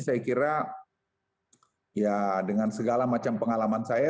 saya kira ya dengan segala macam pengalaman saya